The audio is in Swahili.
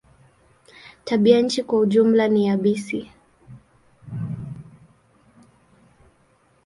Tabianchi kwa jumla ni yabisi.